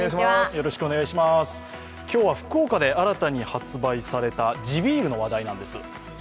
今日は福岡で新たに発売された地ビールの話題なんです。